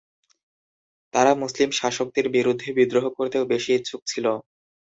তারা মুসলিম শাসকদের বিরুদ্ধে বিদ্রোহ করতেও বেশি ইচ্ছুক ছিল।